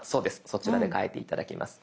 そちらで変えて頂きます。